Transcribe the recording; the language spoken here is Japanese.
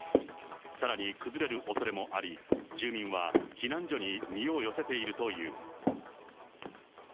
さらに崩れるおそれもあり、住民は避難所に身を寄せているという。